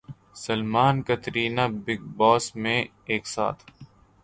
Salman Katrina big باس میں ایک ساتھ